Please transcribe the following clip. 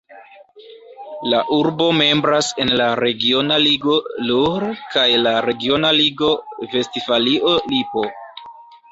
La urbo membras en la regiona ligo Ruhr kaj la regiona ligo Vestfalio-Lipo.